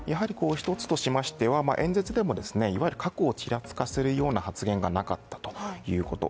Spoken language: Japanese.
１つとしましては、演説でも過去をちらつかせるような発言がなかったということ。